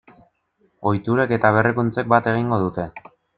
Ohiturek eta berrikuntzek bat egingo dute.